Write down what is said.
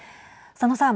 佐野さん。